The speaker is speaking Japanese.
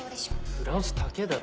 フランス高ぇだろ。